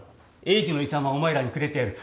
栄治の遺産はお前らにくれてやる。